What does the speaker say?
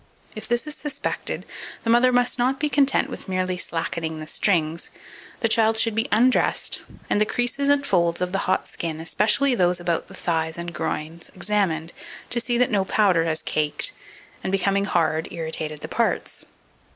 If this is suspected, the mother must not be content with merely slackening the strings; the child should be undressed, and the creases and folds of the hot skin, especially those about the thighs and groins, examined, to see that no powder has caked, and, becoming hard, irritated the parts.